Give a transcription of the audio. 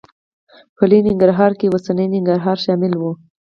په لوی ننګرهار کې اوسنی ننګرهار شامل و.